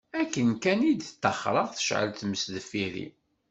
Akken kan i d-ṭṭaxreɣ, tecɛel tmes deffir-i.